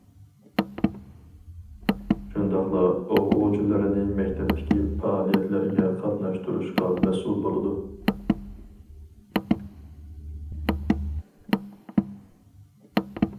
شۇنداقلا ئوقۇغۇچىلىرىنى مەكتەپتىكى پائالىيەتلەرگە قاتناشتۇرۇشقا مەسئۇل بولىدۇ.